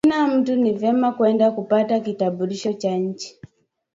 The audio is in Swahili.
Kila mutu ni vema kwenda kupata kitambulisho ya inchi